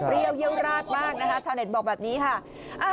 เรียวราดมากนะฮะชาวเน็ตบอกแบบนี้ค่ะ